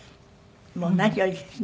もう何よりですね。